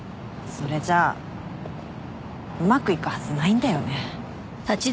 それじゃあうまくいくはずないんだよね。